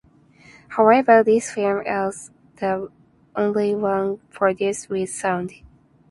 However, this film was the only one produced with sound.